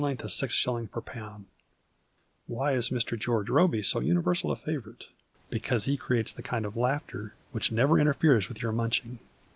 to 6*. per lb. Why is Mr. George Robey so universal a favourite ? Because he creates the kind of laughter which never interferes with your nmnching.